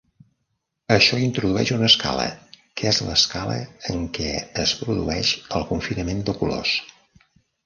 Això introdueix una escala, que és l'escala en què es produeix el confinament de colors.